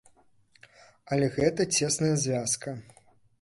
Але гэта цесная звязка.